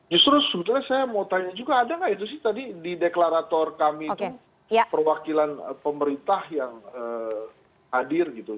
justru sebetulnya saya mau tanya juga ada nggak itu sih tadi di deklarator kami itu perwakilan pemerintah yang hadir gitu